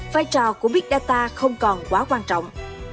vai trò của big data không còn quá quan trọng